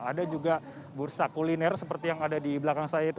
ada juga bursa kuliner seperti yang ada di belakang saya itu